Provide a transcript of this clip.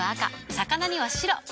魚には白。